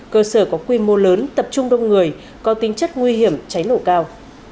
cơ sở có quy mô lớn tập trung đông người có tính chất nguy hiểm cháy nổ cao